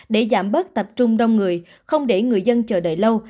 để giảm bớt tập trung đông người không để người dân chờ đợi lâu